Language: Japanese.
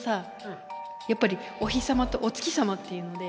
やっぱりお日様とお月様っていうので。